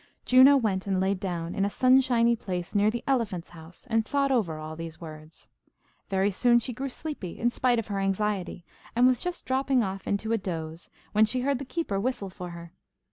Juno went and lay down in a sunshiny place near the elephant's house, and thought over all these words. Very soon she grew sleepy, in spite of her anxiety, and was just dropping off into a doze, when she heard the keeper whistle for her.